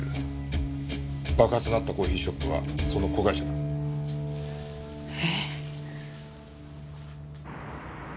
爆発のあったコーヒーショップはその子会社だ。え？